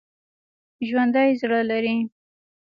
ژوندي زړه لري